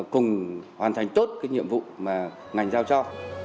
cùng hoàn thành tốt cái nhiệm vụ mà ngành giao cho